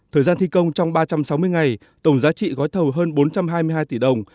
thời gian thi công trong ba trăm sáu mươi ngày tổng giá trị gói thầu hơn bốn trăm hai mươi hai tỷ đồng